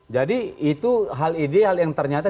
jadi itu hal ide hal yang ternyata